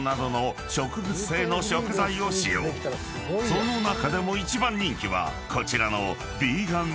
［その中でも一番人気はこちらの］